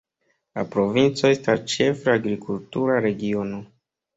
La provinco estas ĉefe agrikultura regiono.